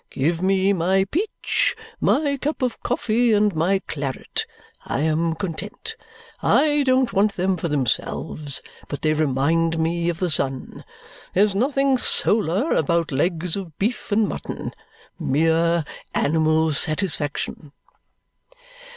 Give me my peach, my cup of coffee, and my claret; I am content. I don't want them for themselves, but they remind me of the sun. There's nothing solar about legs of beef and mutton. Mere animal satisfaction!"